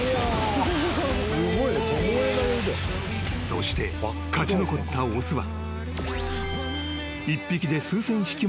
［そして勝ち残った雄は］